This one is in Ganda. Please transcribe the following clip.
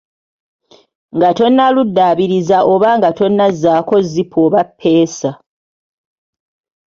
Nga tonnaluddaabiriza oba nga tonnazzaako zipu oba ppeesa.